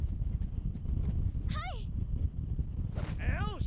はい！よし！